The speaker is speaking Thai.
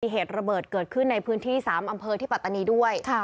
เหตุระเบิดเกิดขึ้นในพื้นที่๓อำเภอที่ปัตตานีด้วย